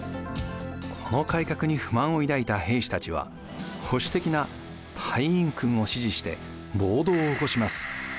この改革に不満を抱いた兵士たちは保守的な大院君を支持して暴動を起こします。